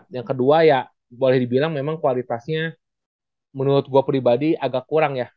yang kedua ya boleh dibilang memang kualitasnya menurut gue pribadi agak kurang ya